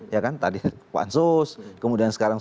ya kan tadi pak ansus kemudian sekarang